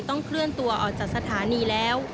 เคลื่อนตัวออกจากสถานีแล้ว